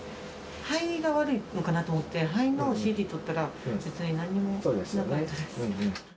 肺が悪いのかなと思って、肺のＣＴ撮ったら、別に何もなかったです。